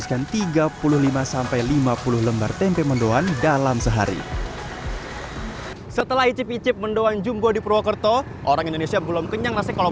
langsung aja kita cari restoran yang unik di purwokerto